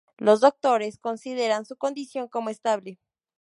Los doctores consideran su condición como estable.